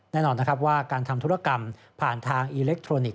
แน่นอนนะครับว่าการทำธุรกรรมผ่านทางอิเล็กทรอนิกส